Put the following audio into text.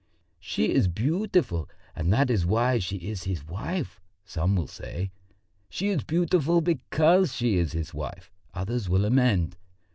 'She is beautiful, and that is why she is his wife,' some will say. 'She is beautiful because she is his wife,' others will amend.